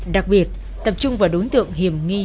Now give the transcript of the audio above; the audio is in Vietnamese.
đặc biệt tập trung vào đối tượng hiểm nghi